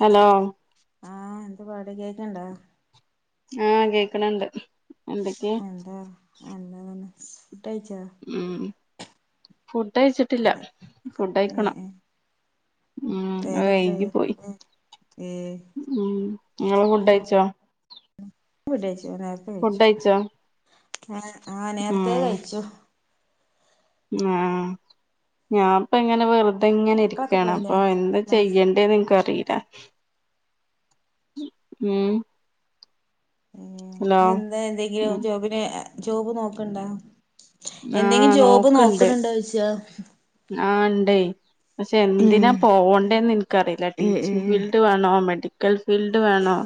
Hello ആഹ എന്ത്തു പാട കേക്കണ്ടോ ആഹ കേക്കണണ്ട് എന്തൊക്കെയ എന്താ അന്ന തന്നെ ഉം ഫുഡ അഴിച്ചിട്ടില്ല ഫുഡ ഏഹ് അഴിക്കണം ഏഹ് ഉ അ നേരെത്രയായി വൈകി പോയി ഏഹ് ഉ നിങ്ങെ ഫുഡ് അയച്ചോ ട്ടഴച്ചു നേരത്തെ കഴിച്ചു കഴിച്ചോ ആ ആഹ നേരത്തെേ കഴിച്ചു ആഹ ഞാൻപ്പ എങ്ങനെ വെറ അത ഇങ്ങനെ മക്കളൊക്കെ ഇരിക്കയാണ് പോയില്ലേ അപ്പൊ എന്താ ക്ലാസ് ചെയ്യണ്ടേന്ന് എനക്ക് അറിയില്ല ഉം ഹലോ ഉ എന്താ എന്തെങ്കിലും ഉം ജോബിനെ ജോബ് നോക്കണ്ടോ ആഹ് എന്തെങ്കിലും ജോബ് നോക്കണ്ട് നോക്കണണ്ടോ ചച്ച ആഹ് ഇണ്ടേ പക്ഷെ എന്തിനാ പോകണ്ടേന്ന് എനിക്കറിയില്ല ഏഹ് ടീച്ചിങ് ഏഹ് ഫീൽഡ് വേണോ മേഡി ഫീൽഡ് വേണോാ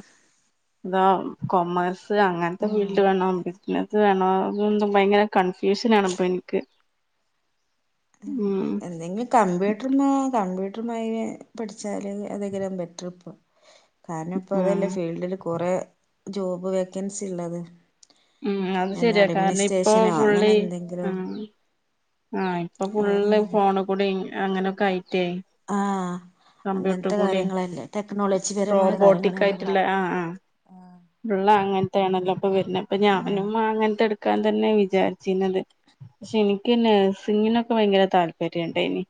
കൊമേഴ്സ് അങ്ങനത്തെ ആഹ് ഫീൽഡ് വേണോ പിത് വേണും ഭയങ്കര കൺഫ്യൂഷന ആാണ്പ്പൊ എനിക്ക് ഉം എന്തെങ്കിലും കമ്പ്യൂട്ടർ കമ്പ്യൂ പഠിച്ചാല് അതാം ബെറ്റർ ഇപ്പൊ കാരണം ഇപ്പ ഉം അതല്ലേ ഫീൽഡില് കൊറെ ജോബ് വേക്കൻസി ഉള്ളത് ഉം അത് എന്നാ ശരിയാ കാരണം ഇപ്പൊ അഡ്മിനിസ്ട്രേഷനോ അങ്ങനെ എന്തെങ്കിലോ ആഹ ഇപ്പൊ ഫുള്ള് ഫോണ കൂടി അങ്ങനെയൊക്കെ ആയിറ്റായി ആഹ് കമ്പ്യൂട്ടർ അങ്ങനത്തെ കൂടി കാര്യങ്ങളല്ലേ ടെക്നോളജി പരമായ റോബോട്ടിക് കാര്യങ്ങളല്ലേ പഠി ആയിട്ടുള്ള ആഹ ആ ഉള്ള അങ്ങന യാണല്ലോ ഇപ്പ വരുന്നത് അപ്പൊ ആഹ് ഞാനും അങ്ങനത്തെ എടുക്കാൻ തന്നെയ വിചാരിച്ചിരുന്നത് പക്ഷെ എനിക്ക് പിന്നെ സിങ്ങിനൊക്കെ ഭയങ്കര താല്പര്യുണ്ട ഇനി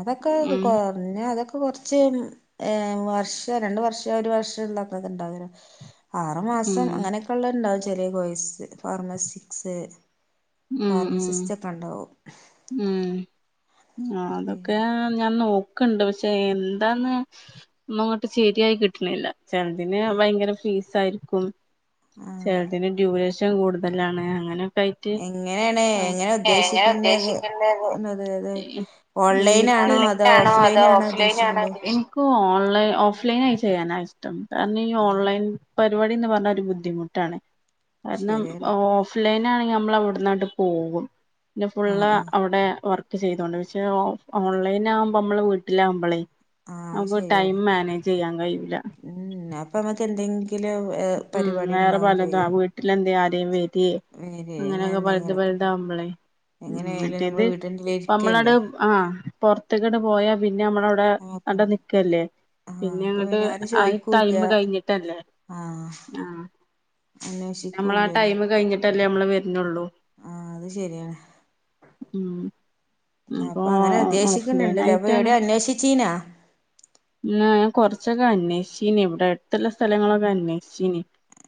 അതൊക്കെ കൊഞ്ഞെ അതൊക്കെ കൊറച്ച് ഏ വർഷ രണ്ട വർഷ ഒരു വർഷം ഇതാക്കക്കെ ഇണ്ടാവര ആറു മാസം ഉം അങ്ങനൊക്കെ ഉള്ള ഉണ്ടാവും ചെിലിയ കോഴ്സ് ഫാർമസിക്സ് ഉം ഉം ഫാർമസിസ്റ്റ് ഒക്കെ ഉണ്ടാവും ഉം ആ പി അതൊക്കെ ഞാൻ നോ ക്കണ്ട് പക്ഷെ എന്താന്ന് ഒന്നും അങ്ങോട്ട് ശരിയായി കിട്ടണില്ല ചെലതിന് ഭയങ്കര ഫീസാരിക്കും ആഹ് ചിലതിന് ഡ്യൂറേഷൻ കൂടുതലാണ് അങ്ങനെയൊക്കെ ആയിട്ട് എങ്ങനെയാണ് എങ്ങനെ ഏ ഞാൻ ഉദ്ദേശിക്കേണ്ടത് ഉദ്ദേശിക്കുന്നത് ന്നത് അത് ഓൺലൈൻ ആണോ അതോ നിനക്ക് ഓഫ് ലൈൻ അതോ ആണോ ഓഫ് ലൈൻ ആണൊ ഉദ്ദേശിക്കേണ്ടത് ചെ ഓൺലൈ ഓഫ് ലൈനായി ചെയ്യാനാ ഇഷ്ടം കാരണം ഈ ആഹ് ഓൺലൈൻ പരിപാടീന്ന് പറഞ്ഞാ ഒരു ബുദ്ധിമുട്ടാണ് കാരണം ശരിയാണ് ഓഫ് ലൈൻ ആണെങ്കിൽ നമ്മളവിടു ന്നങ്ങട്ട് പോകും പിന്നെ ആഹ് ഫുള്ള് ആഹ് അവിടെ വർ ക്ക് ചെയ്തൊണ്ട് പക്ഷെ ഓൺലൈൻ ആകുമ്പോ നമ്മള് വീട്ടിലാകുമ്പളേ ആഹ് അത് അപ്പൊ ടൈം ശരിയാണ് മാനേജ് ചെയ്യാൻ കഴിയൂല ഉം അപ്പൊ നമുക്ക് എന്തെങ്കിലും ഉം പരിപാടി വേറെ ഉണ്ടാവും പലതാ ചെയ്യും വീട്ടിലെന്തേ ആദ്യം കേറ്റിയെ ശരി അങ്ങനെ അങ്ങനെയൊക്കെ പലുതും എന്തെങ്കിലൊക്കെ വലുതാവുമ്പളേ ഉം എങ്ങനെയായാലും നമ്മള് മറ്റേത് വീട്ടിന്റെ ഇരിക്കല്ലേ നമ്മളുടേത്‌ ആ പൊറത്തേക്കങ്ങട്ട്‌ പോയാ പി ന്നെ നമ്മടെ അവിടെ നമുക്ക് അവിടെ നിക്കല്ലേ ആഹ് പിന്നെ അപ്പൊ അങ്ങോട്ട് ആരും ആ ചോദിക്കൂല്ല ടൈമ് കഴിഞ്ഞിട്ടല്ലേ ആഹ് ആ നമ്മളാ ടൈമ് കഴിഞ്ഞിട്ടല്ലേ നമ്മള് വ ആ അത് ശരിയാണ് ഉം അപ്പൊ അങ്ങനെ ഓഫ് ലൈൻ ഉദ്ദേശിക്കുന്നുണ്ടല്ലേ അപ്പൊ ആയിട്ടാണ് എവിടെ അന്വേഷിച്ചീനാ ഇന്ന് കുറച്ചൊക്കെ അന്വേഷിച്ചീനി ഇവിടെ അടുത്തുള്ള സ്ഥലങ്ങളൊക്കെ അന്വേഷിച്ചീനി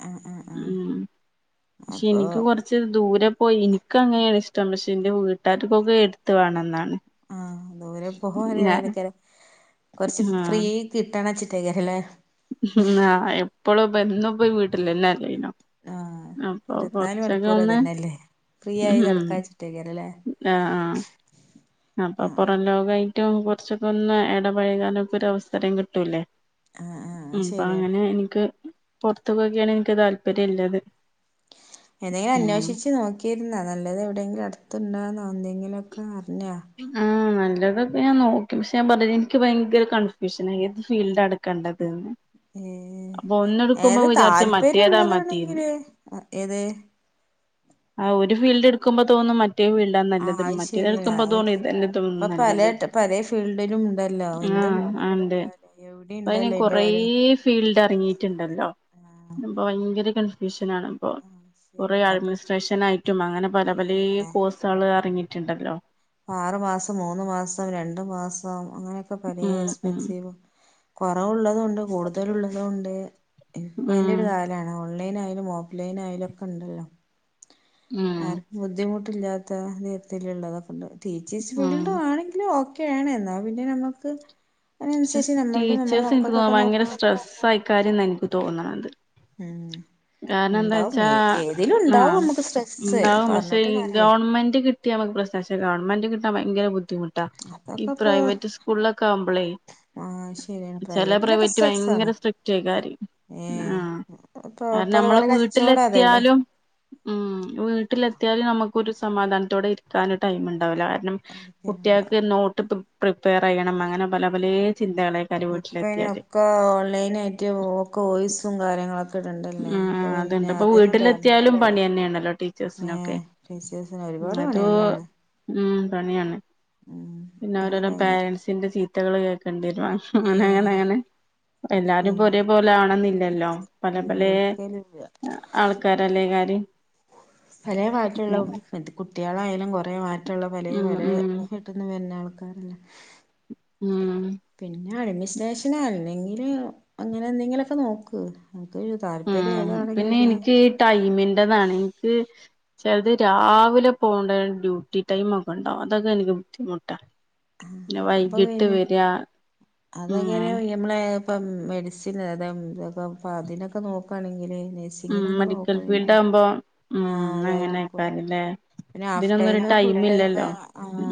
ആഹ് ആഹ് ആഹ് ഉം പക്ഷെ അപ്പൊ എനിക്ക് കൊറച്ച് ദൂരെ ഓ എനിക്ക് അങ്ങനെയാണ് ഇഷ്ടം പക്ഷെ എന്റെ വീട്ടുകർക്കൊക്കെ എടുത്ത് വേണോന്നാണ് ആ ദൂരെ [unintelligible] കൊറച്ച് ഫ്രീ കി ട്ടണ വച്ചിട്ടായിരിക്കും അല്ലേ ഉം എപ്പളും ഇപ്പം എന്നും ഇപ്പോ വീട്ടിലന്നെ അല്ലായിനോ ആഹ് അപ്പൊ ഇരുപത്തിനാല് കൊറച്ചൊക്കെ മണിക്കൂർ ഒന്ന് ഇതന്നെല്ലേ ഫ്രീ ആയി നടക്കാച്ചിട്ടേക്കരല്ലേ ആ ആ അപ്പൊ പുറം ലോകായി ഏറ്റവും കുറച്ചൊക്കെ ഒന്ന് ഇടപഴകാനൊക്കെ ഒരു അവസരം കിട്ടൂലേ ആഹ് ആഹ് അപ്പൊ ശരിയാണ് അങ്ങനെ എനിക്ക് പൊറത്തു പോകുകയാണ് എനിക്ക് താല്പര്യം ഇല്ലത് ഏതെങ്കിലും ഉം അന്വേഷിച്ച് നോക്കിയിരുന്നാ നല്ലത് എവിടെയെങ്കിലും അടുത്തുണ്ടോന്ന് എന്തെങ്കിലുമൊക്കെ അറിഞ്ഞാ ചിലതൊക്കെ ഞാൻ നോക്കി പക്ഷെ ഞാൻ പറഞ്ഞില്ലേ എനിക്ക് ഭയങ്കര കൺഫ്യൂഷനാ ഏത് ഫീൽഡാ എടുക്കേണ്ടതെന്ന് ഏ ഏതാ വിചാരിച്ചു താല്പര്യം മറ്റേതാ മതീന്ന് ഉള്ളതാണെങ്കില് ഏത് ആ ഒരു ഫീൽഡ് എടുക്കുമ്പോ തോന്നും മറ്റേ ഫീൽഡാ ആഹ് നല്ലത് അത് മറ്റേത് ശരിയാ എടുക്കുമ്പോ തോന്നും ഇത് എല്ലാത്തിനും ഇപ്പൊ പല നല്ലത് പല ഫീൽഡിലും ഉണ്ടല്ലോ ആ എന്തും ആ നമുക്ക് ഉണ്ട്. എടുക്കാലോ എവിടെ അതിന് ഉണ്ടല്ലോ അതിന്റെ കൊറേ ഓരോ ഫീൽഡ് ഇറങ്ങിട്ടുണ്ടല്ലോ ആഹ് ഭയങ്കര [unintelligible] ആഹ് കുറേ ശരിയാണ് അപ്പൊ അഡ്മിനിസ്ട്രേഷൻ ആയിട്ടും അങ്ങനെ പല പലേ കോഴ്സുകൾ ഇറങ്ങി ട്ടുണ്ടല്ലോ ആറ് മാസം മൂന്ന് മാസം രണ്ട് മാസം അങ്ങനെയൊക്കെ പലേ ഉം ഉം എക്സ്പെൻസീവും കുറവുള്ളതും ഉണ്ട് കൂടുതലുള്ളതും ഉണ്ട് ഇപ്പം അതിന്റെ ഉം ഒരു കാലമാണ് ഓൺലൈൻ ആയാലും ഓഫ് ലൈൻ ആയാലും ഒക്കെ ഉണ്ടല്ലോ ഉം ആർക്കും ബുദ്ധിമുട്ടില്ലാത്ത നിറത്തിലുള്ളതൊക്കെ ഉണ്ട് ടീച്ചേഴ്സ് ഉം ഫീൽഡ് ആണെങ്കിലും ഓ ക്കെയാണ് എന്നാ പിന്നെ നമുക്ക് അതിനനുസരിച്ച് നമ്മളതും നമ്മളെ ടീച്ചേഴ്സ് എനിക്ക് തോന്നണത് മക്കളതൊക്കെ ഭയങ്കര നോക്കാം സ്ട്രെസ്സ് ആയിക്കാരും എന്നാ എനിക്ക് തോന്നണത് ഉം കാരണം എന്താന്ന് ഉണ്ടാവും വച്ചാ ഏ ഏതിലും ആ ഉണ്ടാവും നമുക്ക് സ്ട്രെസ്സ് ഉണ്ടാവും പക്ഷെ പറഞ്ഞിട്ട് കാര്യമില്ല ഗവൺമെന്റ് കിട്ടി ക്ക് പ്രശ്നം പക്ഷേ ഗവൺമെന്റ് കിട്ടാൻ ഭയങ്കര ബുദ്ധിമുട്ടാ ഈ അതൊക്കെ ഇപ്പൊ പ്രൈവറ്റ് സ്കൂളിലൊക്കെ ആവുമ്പളേ ആ ശരിയാണ് ചെല പ്രൈവറ്റിലൊക്കെ പ്രൈവറ്റ് സ്ട്രെസ് ആണ് ഭയങ്കര സ്ട്രിക്റ്റായി കാര്യം ഏ ഇപ്പോ നമ്മള് വീട്ടിലെത്തിയാലും ഉം വീട്ടിലെ ത്തിയാലും നമുക്കൊരു സമാധാനത്തോടെ ഇരിക്കാൻ ടൈമ് ഉണ്ടാവൂല്ല. കാരണം കുട്ടിയേക്ക് നോട്ട് പ്രി പ്രിപ്പയർ ചെയ്യണം അങ്ങനെ പല പലേ ചിന്തകളേക്കാരം ഇപ്പയ്ന് വീട്ടിലെത്തിയാല് ഒക്കെ ഓൺലൈനായിറ്റും ഒക്കെ വോയിസും കാര്യങ്ങളൊ ക്കെടണ്ടല്ലേ. ആ അപ്പ അതുണ്ട് പിന്നെ ഇപ്പൊ അതിനും വീട്ടിലെത്തിയാലും ടൈമ്ട്ടൂല്ല. പണി തന്നെയാണല്ലോ ന്നെ ടീച്ചേഴ്സിനൊക്കെ ടീച്ചേഴ്സിന് ഒരുപാട് അതോ പണിയെന്നേണ്. ഉം പണിയാണ് പിന്നെ അത് ഓരോരൊ ഭയങ്കരായിട്ട് പോരൻറ്സിന്റെ ചീത്തകൾ കേക്കണ്ടിയേ രും ഏഹ് അങ്ങനെങ്ങനെ എല്ലാരുംഇപ്പൊ പിന്നെ ഒരേ പോലെ ആണം ന്നില്ലല്ലോ. പല പലേ ഇല്ലായിരിക്കലില്ല ആൾക്കാരല്ലേ കാര്. പലേ മാറ്റള്ള കുട്ടിയേളായാലും കുറേ മാറ്റള്ള പലേ ഉം പലേ ഉം വിട്ട്ന്ന് വര്നാൾ ക്കാരല്ലെ. ഉം ഇഞ്ഞ് അഡ്മിസ്ട്രേഷനാ അല്ലെങ്കിൽ അങ്ങനെ എന്തെങ്കിലൊക്കെ നോക്ക്. താല്പര്യം ഉം പിന്നെ ഏതാണെങ്കില് ഇൻക്കീ ടൈമിന്റേതാണെ. ഇൻക്ക് ചെൽത് രാവിലെ പോണ്ട ഡ്യൂട്ടി ടൈമ് ഒക്കെണ്ടാവും അതൊക്കെ ഇൻക്ക് ബുദ്ധിമുട്ടാ. ആഹ് പിന്നെ അപ്പം വൈകിട്ട് പിന്നെ വരിക അതൊക്കെ ഉം ന് യമ്മളെ ഇപ്പം മെഡിസിൻ അതം ഇതൊക്കെ പ്പ അതിനൊക്കെ നോക്കാണെങ്കില് ഉം നഴ്സിങ്ങിനൊക്കെ മെഡിക്കൽ ഫീൽഡ് നോക്കാണെങ്കില് ആവുമ്പം ഉം ആഹ് അതായിരിക്കും ന്നങ്ങനേക്കാരല്ലേ പിന്നെ ഹാഫ് ടൈം ഫുൾ ടൈം ആ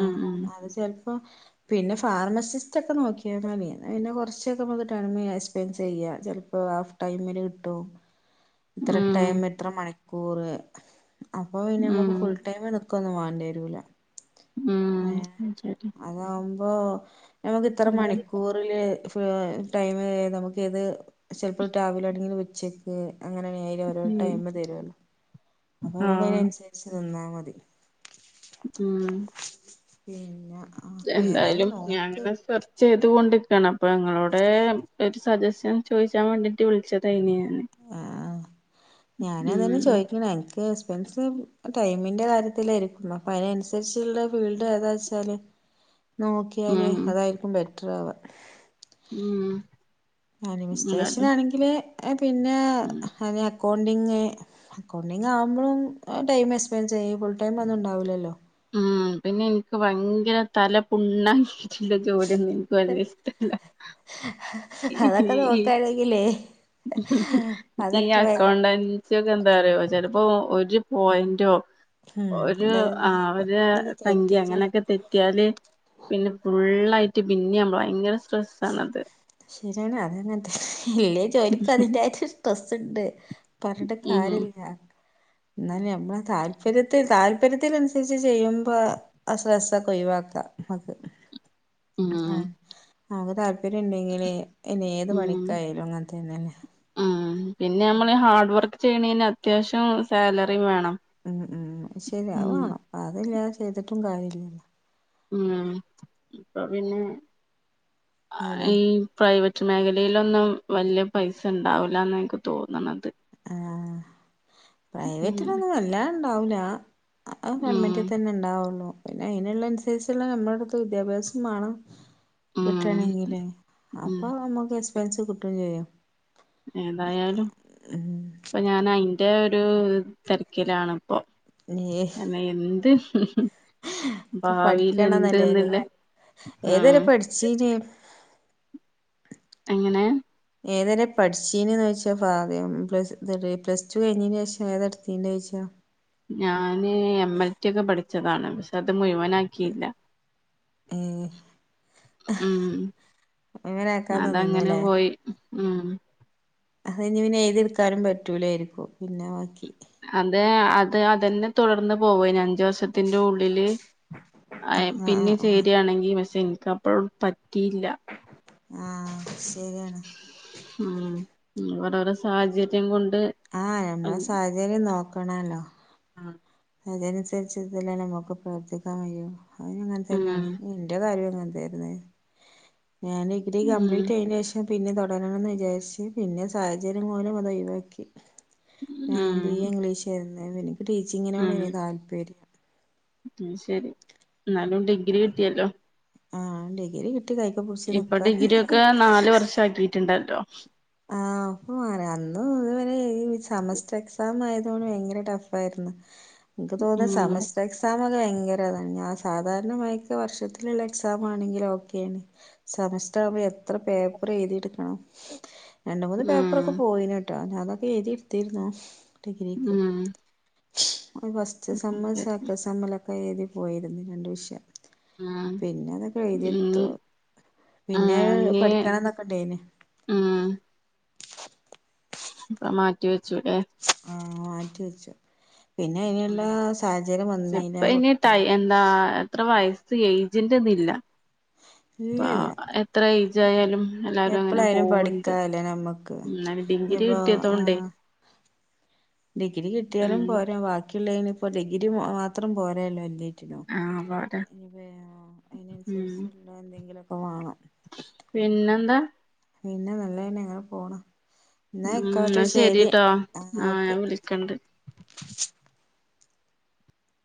ഉം ഉം അത് ചെൽപ്പം പിന്നെ ഫാർമസിസ്റ്റ് ഒക്കെ നോക്കിയാ ന്നാല്. ന്നാ പിന്നെ കുറച്ചൊക്കെ നമ്ക്ക് ടൽമ് എസ്പൻസ് ചെയ്യ. ഇപ്പോ ഹാഫ് ടൈമിൽ കിട്ടും. ഇത്ര ഉം ടൈമ് ഇത്ര മണിക്കൂറ് അപ്പൊ പിന്നെ നമുക്ക് ഉം ഫുൾ ടൈം നി ക്കൊന്നും വാണ്ടിയേരൂല. ഉം അഹ്ശരി. അതാവുമ്പോ നമുക്ക് ഇത്ര മണിക്കൂറില് [unintelligible] ടൈം നമുക്ക് ഏത് ചിലപ്പോൾ രാവിലാണെങ്കിലും ഉച്ചക്ക് അങ്ങനെ നേരെ ഓരോ ഉം ടൈമ് തരുല്ലോ അപ്പൊ നമുക്ക് ആഹ് അതിനനുസരിച്ച് നിന്നാ മതി. ഉം പിന്നെ ആഹ് ഏതായാലും എന്തായാലും ഞാൻ നോക്ക് അങ്ങനെ സെർച്ച ചെയ് തോണ്ടിക്കാണ് അപ്പൊ ഇങ്ങളോട്‌ ഒരു സജഷൻ ചോദിച്ചാൻ വേണ്ടിട്ട് വിളിച്ചതായിനിയെ. ഞാനേതായാലും ഉം ചോദിക്കണെ എനിക്ക് [unintelligible] ടൈമിന്റെ കാര്യത്തിലായിരിക്കും അപ്പതിനനുസരിച്ചുള്ള ഫീൽഡ് ഏതാ വച്ചാല് നോക്കിയാല് ഉം അതായിരിക്കും ബെറ്റർ ആവാ. ഉം അനിമിസ്റ്റേഷൻ എന്തായാലും ആണെങ്കില് പിന്നെ ഉം അ അക്കൗണ്ടിങ് അക്കൗണ്ടിങ്ങാകുമ്പോളും ടൈം എക്സ്പെൻഡ് ചെയ്യും ഫുൾ ടൈം ഒന്നും ഉണ്ടാവില്ലല്ലോ. ഉം പിന്നെ എനിക്ക് ഭയങ്കര തല പുണ്ണാ ചില ജോലിയൊന്നും എനിക്ക് വല്യ ഇഷ്ടല്ല. അതൊക്കെ നോക്കാണെങ്കിലേ ഈ അതൊക്കെ വേ അക്കൗണ്ടന്റ് ച്ചൊക്കെ എന്താറിയോ ചിലപ്പോ ഒരു പോയിന്റോ, ഉം ഒരു ആഹ് ഒരു സംഖ്യ എന്തായാലും അങ്ങനെയൊക്കെ തെറ്റിയാല് പിന്നെ ഫുള്ളായിട്ട് പിന്നെമ്മൾ ഭയങ്കര സ്ട്രെസ്സാണത് ശരിയാണ് അതങ്ങനത്തെ എല്ലാ ജോലിക്കും അതിന്റായിട്ടൊരു സ്ട്രെസ്സ് ഉണ്ട്. പറണ്ട ഉം കാര്യല്ല. എന്നാലും നമ്മള താല്പര്യത്തിൽ താല്പര്യത്തിനനുസരിച്ച് ചെയ്യുമ്പോ ആ സ്‌ട്രെസ് ഒക്കെ ഒഴിവാക്ക [unintelligible] ഉം പ്പര്യണ്ടെങ്കില് ഇനി ഏത് ഉം പണിക്കായാലും അങ്ങനത്തന്നെല്ലെ. ഉം പിന്നെ നമ്മള് ഹാർഡ് വർക്ക് ചെയ്യണന് അത്യാവശ്യം സാലറിം വേണം. ഉം ഉം ശരിയാ അത്‌ ഉം വേണം അതല്ലാതെ ചെയ്തിട്ടും കാര്യ ഇല്ലല്ലോ. ഉം ആഹ് അപ്പൊ പിന്നെ അതെ ഈ പ്രൈവറ്റ് റ്റ് മേഖലയിലൊന്നും വല്യ പൈസണ്ടാവുല എന്ന ഇൻക്ക് തോന്നണത്. ആഹ ഉം പ്രൈവറ്റിലൊന്നും വല്ലാ ഇണ്ടാവല അ ഉം ഗൺമെന്റൽ തന്നെ ഉണ്ടാവുള്ളു. പിന്നെ അതിനുള്ള അനുസരിച്ചുള്ള നമ്മുടെടുത്ത് വിദ്യാഭ്യാസം മേണം ഉം ഉം കിട്ടണെങ്കില്അപ്പൊ നമുക്ക് എക്സ്പെൻസ് കിട്ടും ചെയ്യാം. ഏതായാലും ഉം ഇപ്പൊ ഞാൻ അയിന്റെ ഒരു തിരക്കിലാണ് പ്പ അന എന്ത് ഭാവിൽ എന്തന്നില്ലേ ഏതരെ പഠിചിനി എങ്ങനെ ഏതര പഠിച്ചീന്ന് ചോദിച്ചാദ്യം പ്ലസ് പ്ലസ് ടു കഴിഞ്ഞതിന് ശേഷം ഏതെടുത്തീ ചോദിച്ചോ? ഞാന് എം എൽ ടി ഒക്കെ പഠിച്ചതാണ് പക്ഷെ അത് മുഴുവനാക്കിയില്ല. ഏ ഉം ആക്കാതെ അതങ്ങനെ പോയി ഉം അത ഇനി പിനെ എഴതെടുക്കാനും പറ്റൂലായിരിക്കോ പിന്നെ ബാക്കി അതെ അത് അതന്നെ തുടർന്ന് പോവ ഇനി അഞ്ചു വർസത്തിന്റെ ഉള്ളില് ആ ആഹ് പിന്നെ ആഹ് ആഹ് ചരിയാണെങ്കിൽ പക്ഷെ എനിക്ക് അപ്പഴ പറ്റിയില്ല. ആഹ ശരിയാണ് ഉ ഓരോര സാഹചര്യം കൊണ്ട് ആഹ ഉം ഞമ്മളെ സാഹചര്യം നോക്കണല്ലോ അതനുരിച്ച് തന്നെ നമുക്ക് പ്രവർത്തിക്കാൻ കയിയും അതിന അങ്ങനെ തന്നെയാണ് എൻ്റെ കാര്യം എങ്ങനെ [unintelligible] ഞാൻ ഡിഗ്രി ഉം കംപ്ലീറ്റ് ചെയന ശേഷം പിന്നെ തുടരണംന്ന് വിചാരിച്ച് പിന്നെ സാഹചര്യം മൂലും അത് ഒഴിവാക്കി. ഞാൻ ബി എ ഉം ഇംഗ്ലീഷ് ആരുന്നു എനിക്ക് ടീച്ചിങ്ങിനോട് എനി താല്പര്യല്ല. ഉ ശരി എന്നാലും ഡിഗ്രി കിട്ടിയല്ലോ? ആഹ് ഡിഗ്രി കി ഇപ്പൊ ഡിഗ്രി ഒക്കെ നാല് വർഷ ആക്കിട്ടുണ്ടല്ലോ ആഹ അന്നും ഇതുവരെ സെമസ്റ്റർ എക്സാം ആയതുകൊണ്ട് ഭയങ്കര ടഫായിയിരുന്നു ഇപ്പ തോന്നുന്ന ഉം സമസ്റ്റ എക്സ ഭയങ്കരാണ് സാധരണ [unintelligible] വർഷത്തിലുള്ള എക്സാം ആണെങ്കിലും ഓക്കെയണ് [unintelligible] എത്ര പേപ്പർ എഴുതിയ എടുക്കണം രണ്ട് മൂന്ന് ഉം പേപ്പറൊക്കെ പോയിന കേട്ടോ ഞാ അതൊക്കെ എഴുതി എടുത്തിന്നോ ഡിഗ്രിക്ക് ഉം ഫസ്റ്റ് സമ്മ ശരി സെക്ക സമ്മലൊക്കെ എഴുതി പോയിരുന്നു രണ്ട് വിഷ ഉം പിന്നെ അതൊക്കെ എഴുതിയടുത്തു ഇനി പിന്നെ ആഹ് ഇനി പഠിക്കണംന്നൊക്കെണ്ടന് അപ്പ മാറ്റിവെച്ചുട്ടേ ആ മാറ്റി വെച്ചു പിന്നെ അയിനുള്ള സാഹചര്യം ഉപ്പ വന്നീല്ല ഇനിട്ടായി കുട്ടികള് എന്താ എത്ര വയസ് ഏജന്റ്ന്നില്ല അപ്പ ഇല്ലല്ല എത്ര ഏജ ആയാലും എല്ലരും അങ്ങനെ എപ്പളായാലും പോവണ്ട് പഠിക്കാല്ലേ നമ്മക്ക് ഡിഗ്രി ഇനിപ്പോ കിട്ടിയതോണ്ടേ ആഹ് ഡിഗ്രി കിട്ടിയാലും ഉം പോരാ ബാക്കിയുള്ളതിനി ഇപ്പോ ഡിഗ്രി മാത്രം പോരല്ലോ എന്തും നി ആഹ് പോരാ ഉം അതിനനുസരിച്ചുള്ള എന്തെങ്കില പിന്നെന്താ പിന്നെ നല്ലതന്നെ എങ്ങനെ പോണം എന്നാ ഉം ഇക്കോട്ടെ എന്നാ ശരി ശരിട്ടോ ആ ആഹ് ഞാൻ ഓക്കെ വിളിക്കണ്ട്